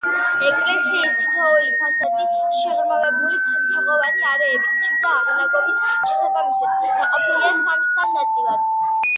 ეკლესიის თითოეული ფასადი, შეღრმავებული თაღოვანი არეებით, შიდა აღნაგობის შესაბამისად, დაყოფილია სამ-სამ ნაწილად.